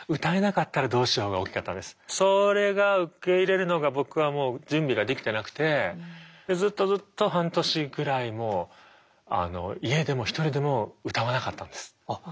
あとはそれが受け入れるのが僕はもう準備ができてなくてずっとずっと半年ぐらいもう家でも一人でも歌わなかったんです。